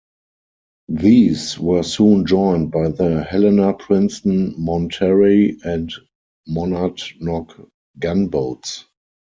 These were soon joined by the "Helena", "Princeton", "Monterey" and "Monadnock" gunboats.